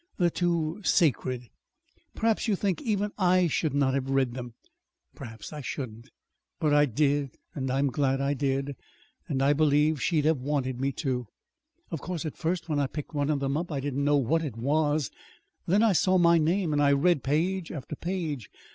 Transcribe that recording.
They're too sacred. Perhaps you think even I should not have read them; perhaps I shouldn't. But I did, and I'm glad I did; and I believe she'd have wanted me to. "Of course, at first, when I picked one of them up, I didn't know what it was. Then I saw my name, and I read page after page.